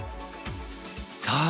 さあ